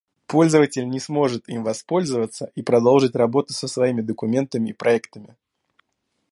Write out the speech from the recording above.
Пользователь не сможет им воспользоваться и продолжить работу со своими документами и проектами